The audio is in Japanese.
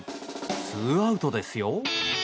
ツーアウトですよ？